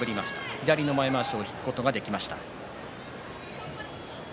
左の前まわしを引くことができました。